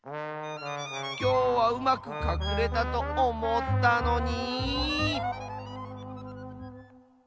きょうはうまくかくれたとおもったのに。